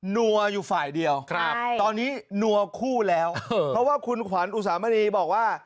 นัวอยู่ฝ่ายเดียวตอนนี้นัวคู่แล้วเพราะว่าคุณขวัญอุสามณีบอกว่า